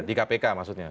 di kpk maksudnya